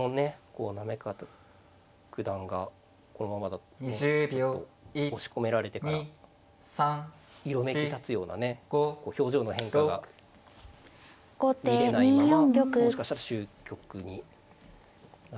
行方九段がこのままだと押し込められてから色めきたつようなね表情の変化が見れないままもしかしたら終局になる。